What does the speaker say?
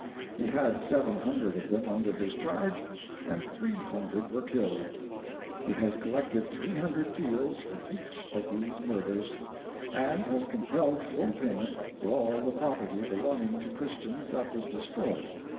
He had seven hundred of them under his charge, and three hundred were killed. He has collected 300 taels for each of these murders, and has compelled full payment for all the property belonging to Christians that was destroyed.